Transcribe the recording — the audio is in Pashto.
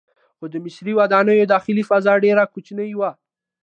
خو د مصري ودانیو داخلي فضا ډیره کوچنۍ وه.